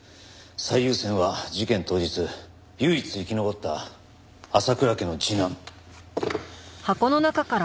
最優先は事件当日唯一生き残った浅倉家の次男。